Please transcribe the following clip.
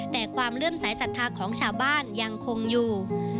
แต่ความเลื่อมสายศรัทธาของชาวบ้านยังคงอยู่